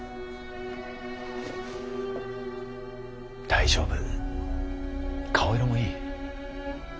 大丈夫顔色もいい。